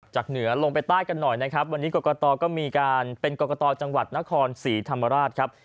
เหนือลงไปใต้กันหน่อยนะครับวันนี้กรกตก็มีการเป็นกรกตจังหวัดนครศรีธรรมราชครับ